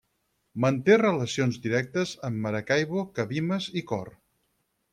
Manté relacions directes amb Maracaibo, Cabimas i Cor.